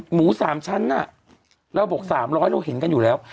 หมู๓ชั้นเราบอก๓๐๐เราเห็นกันอยู่แล้ว